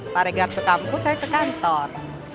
pak regar ke kampus saya ke kantor